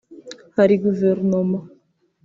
hari guverinoma